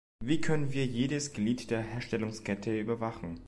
Wie können wir jedes Glied der Herstellungskette überwachen?